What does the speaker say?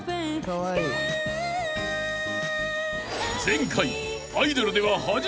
［前回］